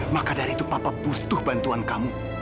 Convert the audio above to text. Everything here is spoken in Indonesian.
maka dari itu papa butuh bantuan kamu